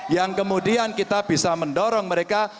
yang kemudian kita bisa mendorong mereka